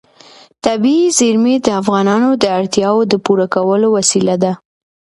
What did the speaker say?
طبیعي زیرمې د افغانانو د اړتیاوو د پوره کولو وسیله ده.